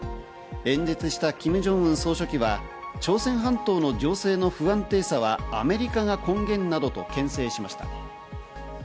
演説したキム・ジョンウン総書記は朝鮮半島の情勢の不安定さはアメリカが根源などとけん制しました。